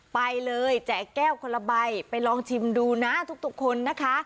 ไปเลยแจกแก้วคนละใบไปลองชิมดูนะทุกคนนะคะ